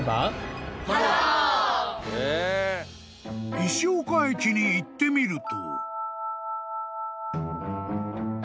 ［石岡駅に行ってみると］